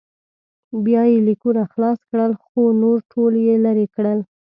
بیا یې لیکونه خلاص کړل خو نور ټول یې لرې کړل.